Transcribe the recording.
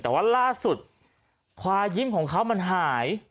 แต่ว่าล่าสุดควายยิ้มของเขามันหาย